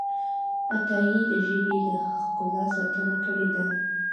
عطايي د ژبې د ښکلا ساتنه کړې ده.